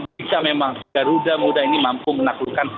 jika memang garuda muda ini mampu menaklukkan